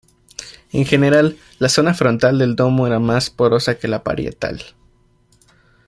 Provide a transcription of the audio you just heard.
En general, la zona frontal del domo era más porosa que la parietal.